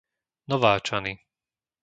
Nováčany